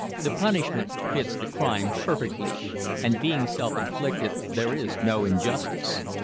The punishment fits the crime perfectly and being self inflicted there is no injustice.